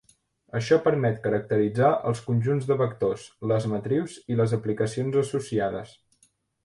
Això permet caracteritzar els conjunts de vectors, les matrius i les aplicacions associades.